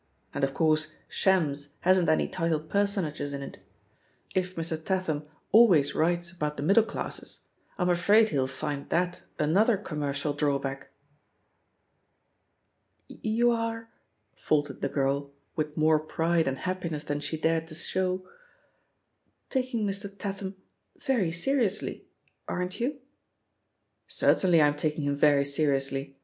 And, of course, Shams hasn't any titled person ages in it. If Mr. Tatham always writes about the middle classes I'm afraid he'll find that an other commercial drawback." "You are," faltered the girl, with more pride and happiness than she dared to show, "taking Mr. Tatham very seriously, aren't you?" "Certainly I'm taking him very seriously.